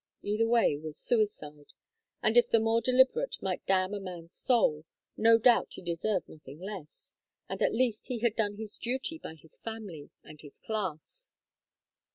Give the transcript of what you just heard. Either way was suicide, and if the more deliberate might damn a man's soul, no doubt he deserved nothing less, and at least he had done his duty by his family and his class.